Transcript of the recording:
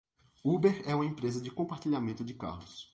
Uber é uma empresa de compartilhamento de carros.